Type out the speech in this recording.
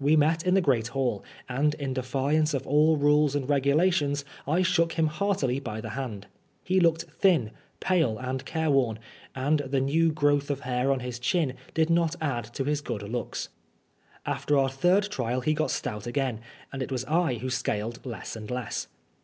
We met in the great hall, and in defiance of all rules and regulations, I shook him heartily by the hand. He looked thin, pale, and careworn ; and the new growth of hair on his chin did not add to his good looks. THE THIBD TBIAL. 155 After our third trial he got stout again, and it was I who scaled less and less.